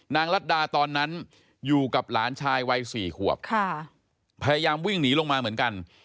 ลัดดาตอนนั้นอยู่กับหลานชายวัย๔ขวบพยายามวิ่งหนีลงมาเหมือนกัน